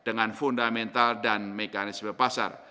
dengan fundamental dan mekanisme pasar